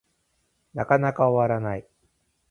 なかなか終わらない